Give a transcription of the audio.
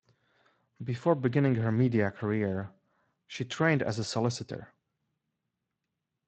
Before beginning her media career, she trained as a solicitor.